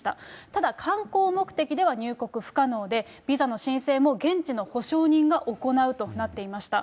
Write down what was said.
ただ観光目的では入国不可能で、ビザの申請も現地の保証人が行うとなっていました。